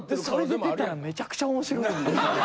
それで出たらめちゃくちゃ面白い。